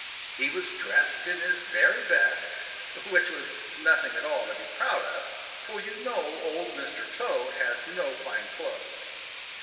He was dressed in his very best, which was nothing at all to be proud of, for you know Old Mr. Toad has no fine clothes.